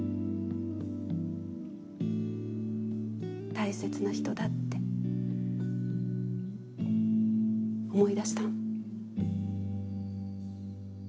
大切な人だって思い出したの。